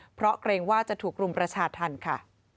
เพราะเกรงว่าจะถูกรุมประชาธรรมค่ะ